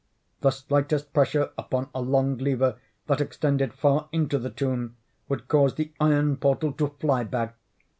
The slightest pressure upon a long lever that extended far into the tomb would cause the iron portal to fly back.